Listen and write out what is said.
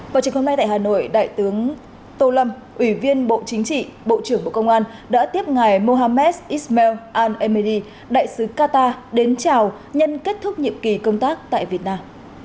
vào chiều hôm nay tại hà nội đại tướng tô lâm ủy viên bộ chính trị bộ trưởng bộ công an đã tiếp ngài mohammed ismail al emi đại sứ qatar đến chào nhân kết thúc nhiệm kỳ công tác tại việt nam